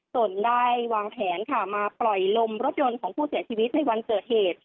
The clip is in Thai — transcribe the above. ตนได้วางแผนค่ะมาปล่อยลมรถยนต์ของผู้เสียชีวิตในวันเกิดเหตุ